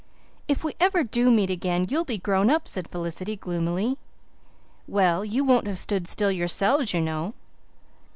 "If we ever do meet again you'll be grown up," said Felicity gloomily. "Well, you won't have stood still yourselves, you know."